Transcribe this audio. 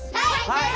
はい！